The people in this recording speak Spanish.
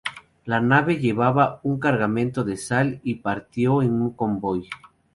La nave llevaba un cargamento de sal y partió en un convoy.